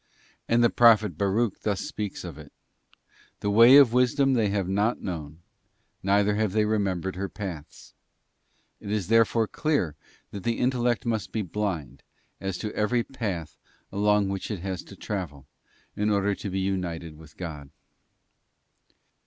And the prophet Baruch thus speaks of it: 'The way of wisdom they have not known, neither have they remembered her paths.* It is therefore clear that the intellect must be blind, as to every path along which it has to travel, in order to be united with God.